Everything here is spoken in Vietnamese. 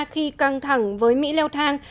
khi căng thẳng với mỹ leo thang